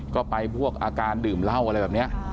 ก็ไปพวกอาการดื่มเหล้าอะไรแบบนี้